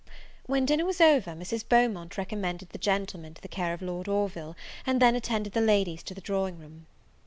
When dinner was over, Mrs. Beaumont recommended the gentlemen to the care of Lord Orville, and then attended the ladies to the drawing room.